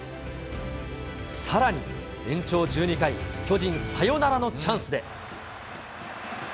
さらに、延長１２回、巨人サヨナラのチャンスで。